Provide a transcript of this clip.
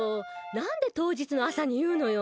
何で当日の朝に言うのよ！